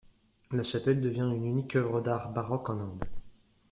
La chapelle devient une unique œuvre d’art baroque en Inde.